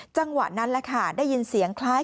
จังหวะนั้นได้ยินเสียงคล้าย